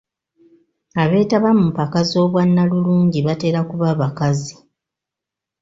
Abeetaba mu mpaka z'obwannalulungi batera kuba bakazi.